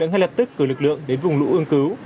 ngay lập tức cử lực lượng đến vùng lũ ương cứu